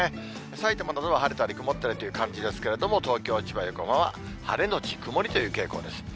さいたまなどは晴れたり曇ったりという感じですけれども、東京、千葉、横浜は、晴れ後曇りという傾向です。